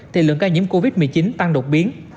thì lượng ca nhiễm covid một mươi chín tăng đột biến